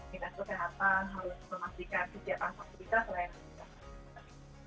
dinas kesehatan harus memastikan kesiapan fakultas layanan